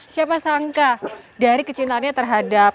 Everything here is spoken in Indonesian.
siapa sangka dari kecintaannya terhadap